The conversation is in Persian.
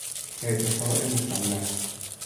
ارتفاع مثلث